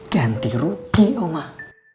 ganti rugi omah